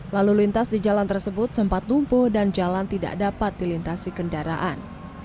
lalu lintas di jalan tersebut sempat lumpuh dan jalan tidak dapat dilintasi kendaraan